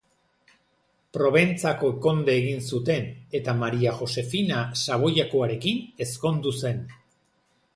Proventzako konde egin zuten eta Maria Josefina Savoiakoarekin ezkondu zen.